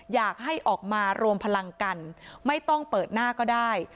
อยากให้ออกมารวมพลังกันไม่ต้องเปิดหน้าก็ได้